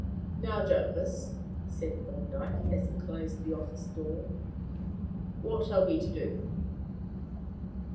"Now, Jervis," said Thorndyke, as he closed the office door, "what are we to do?"